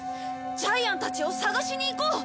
ジャイアンたちを捜しに行こう！